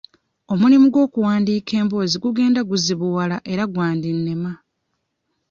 Omulimu gw'okuwandiika emboozi gugenda guzibuwala era gwandinnema.